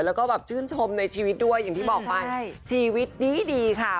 แล้วก็แบบชื่นชมในชีวิตด้วยอย่างที่บอกไปชีวิตดีค่ะ